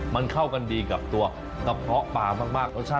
เท่ากันครับก็ธรรมดา๕๐